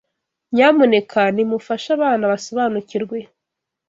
Nyamuneka nimufashe abana basobanukirwe